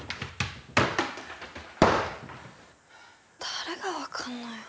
誰が分かんのよ。